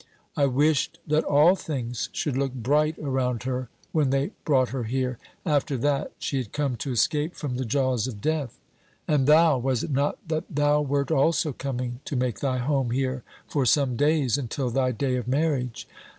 I wished that all things should look bright around her, when they brought her here, after that she had come to escape from the jaws of death. And thou, was it not that thou wert also coming to make thy home here for some days, until thy day of marriage?